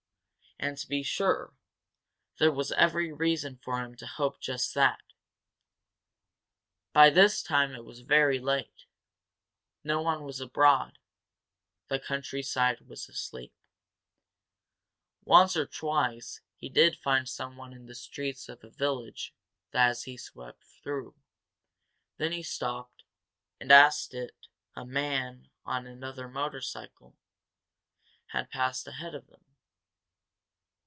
And, to be sure, there was every reason for him to hope just that. By this time it was very late. No one was abroad, the countryside was asleep. Once or twice he did find someone in the streets of a village as he swept through, then he stopped, and asked it a man on another motorcycle had passed ahead of him.